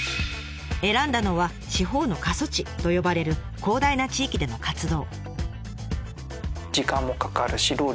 選んだのはと呼ばれる広大な地域での活動。